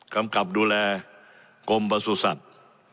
กำกับดูแลกรมประสุทธิ์สัตว์